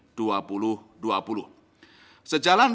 sejalan jalan ekonomi yang menyebabkan pemulihan ekonomi yang lebih lemah